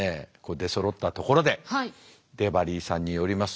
出そろったところでデバリーさんによります